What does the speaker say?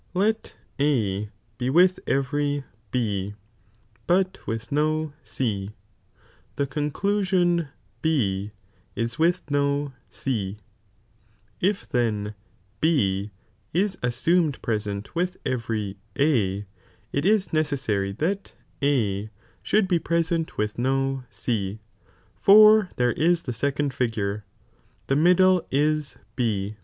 Let A be with every B, but with no C, the conclusion B is with no C, if then B is assumed present with every A, it is necessary that A should be present with no C, for there is the second iigure, the middle is B.